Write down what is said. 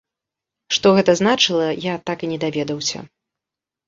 Што гэта значыла, я так і не даведаўся.